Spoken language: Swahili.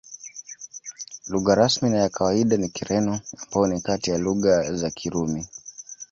Lugha rasmi na ya kawaida ni Kireno, ambayo ni kati ya lugha za Kirumi.